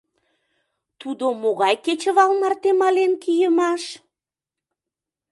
— Тудо могай кечывал марте мален кийымаш?